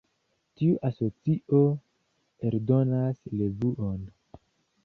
Tiu asocio eldonas revuon.